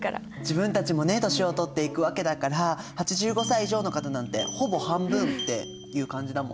自分たちも年をとっていくわけだから８５歳以上の方なんてほぼ半分っていう感じだもんね。